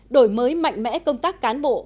hai đổi mới mạnh mẽ công tác cán bộ